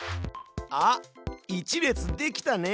あっ１列できたね。